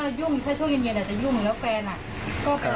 เค้าก็เราตอนนั้นเรายุ่งถ้าช่วยเย็นอาจจะยุ่ง